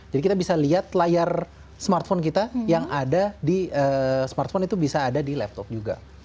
jadi kita bisa lihat layar smartphone kita yang ada di smartphone itu bisa ada di laptop juga